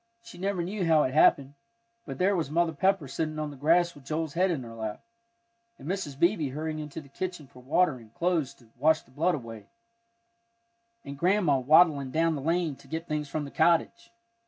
She never knew how it happened, but there was Mother Pepper sitting on the grass with Joel's head in her lap, and Mrs. Beebe hurrying into the kitchen for water and cloths to wash the blood away, and Grandma waddling down the lane to get things from the cottage.